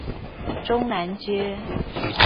中南街